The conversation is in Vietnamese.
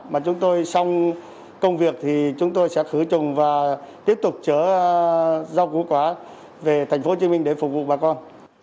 mà chúng tôi xong công việc thì chúng tôi sẽ khử trùng và tiếp tục chở rau củ quả về thành phố hồ chí minh để phục vụ bà con